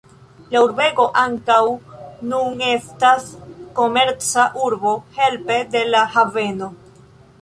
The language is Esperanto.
La urbego ankaŭ nun estas komerca urbo helpe de la haveno.